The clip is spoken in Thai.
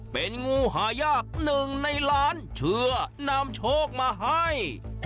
เป็นงูหายากหนึ่งในล้านเชื่อนำโชคมาให้